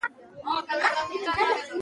اوږده غرونه د افغانستان د زرغونتیا نښه ده.